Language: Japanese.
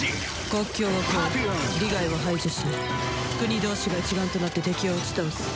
国境を超え利害を排除し国同士が一丸となって敵を打ち倒す。